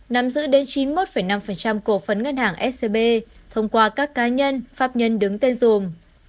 nắm giữ đến chín mươi một năm cổ phấn ngân hàng scb thông qua các cá nhân pháp nhân đứng tên dùm